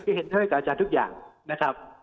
เห็นเท่ากับอาจารย์ทุกอย่างนะครับ